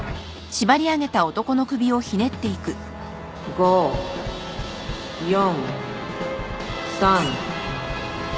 ５４３２。